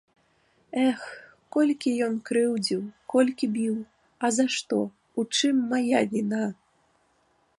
Эх, колькі ён крыўдзіў, колькі біў, а за што, у чым мая віна?